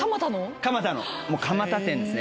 蒲田のもう蒲田店ですね